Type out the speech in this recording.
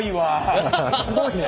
すごいね。